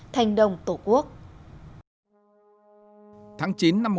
thành đồng tổ quốc